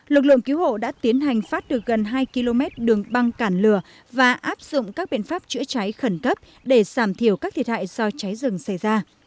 lực lượng cứu hộ đã tiến hành phát được gần hai km đường băng cản lửa và áp dụng các biện pháp chữa cháy khẩn cấp để giảm thiểu các thiệt hại do cháy rừng xảy ra